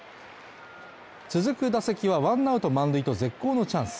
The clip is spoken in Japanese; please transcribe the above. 続く打席は１アウト満塁と絶好のチャンス。